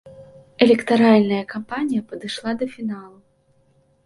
Электаральная кампанія падышла да фіналу.